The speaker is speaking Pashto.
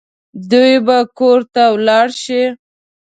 دوی به کور ته ولاړ شي